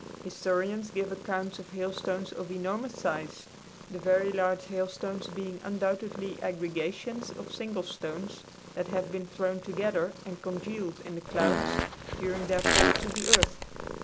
Historians give accounts of hailstones of enormous size; the very large hailstones being undoubtedly aggregations of single stones that have been thrown together and congealed in the clouds during their fall to the earth.